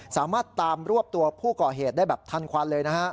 สามารถตามรวบตัวผู้ก่อเหตุได้แบบทันควันเลยนะฮะ